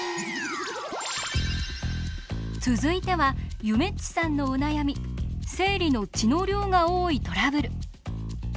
続いてはゆめっちさんのお悩み生理の血の量が多いトラブル。